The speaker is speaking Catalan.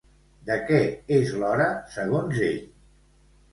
De què és l'hora, segons ell?